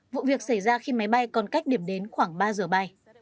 vụ việc xảy ra khi máy bay còn cách điểm đến khoảng ba giờ bay